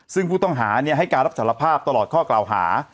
ซึ่งผู้ต้องหาให้การรับสารภาพตลอดข้อกล่าวหา